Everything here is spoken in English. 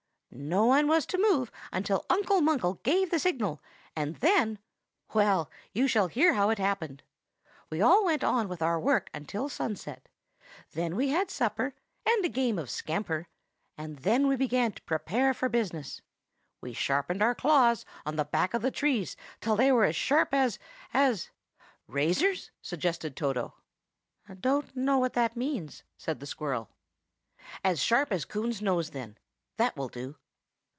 No one was to move until Uncle Munkle gave the signal, and then—well, you shall hear how it happened. We all went on with our work until sunset. Then we had supper, and a game of scamper, and then we began to prepare for business. We sharpened our claws on the bark of the trees till they were as sharp as—as—" "Razors," suggested Toto. "Don't know what that means," said the squirrel. "As sharp as Coon's nose, then; that will do."